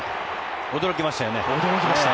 驚きましたよね。